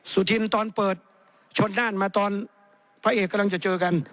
สุธินตอนเปิดชนด้านมาตอนพระเอกกำลังจะเจอกัน